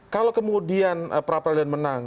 kalau kemudian pra pra dilan menang